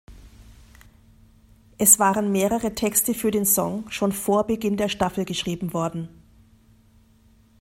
Es waren mehrere Texte für den Song schon vor Beginn der Staffel geschrieben worden.